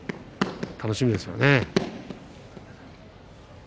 楽しみですね。